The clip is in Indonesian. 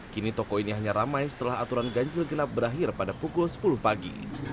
kini toko ini hanya ramai setelah aturan ganjil genap berakhir pada pukul sepuluh pagi